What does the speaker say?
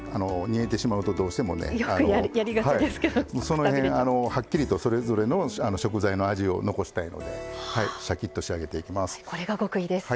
その辺はっきりとそれぞれの食材の味を残したいのでシャキッと仕上げていきます。